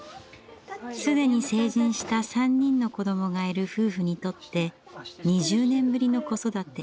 既に成人した３人の子どもがいる夫婦にとって２０年ぶりの子育て。